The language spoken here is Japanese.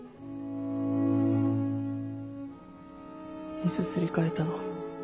いつすり替えたの？